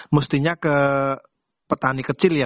mestinya ke petani kecil ya